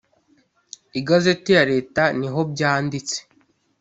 igazeti ya leta nihobyanditse.